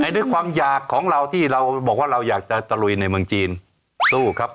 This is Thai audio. ด้วยความอยากของเราที่เราบอกว่าเราอยากจะตะลุยในเมืองจีนสู้ครับ